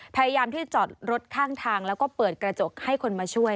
พยายามที่จอดรถข้างทางแล้วก็เปิดกระจกให้คนมาช่วย